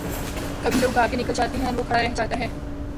کبھی لوگ آگے نکل جاتے ہیں اور وہ کھڑا رہ جا تا ہے۔